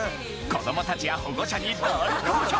子どもたちや保護者に大好評！